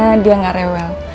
makanya dia nggak rewel